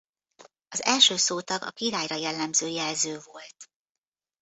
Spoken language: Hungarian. Az első szótag a királyra jellemző jelző volt.